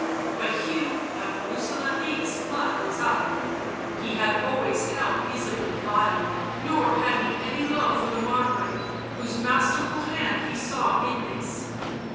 But Hugh of Rooselaare's blood was up, he had always held Ysabeau vile, nor had he any love for the Margrave, whose masterful hand he saw in this.